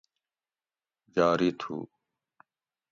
جاری تُھو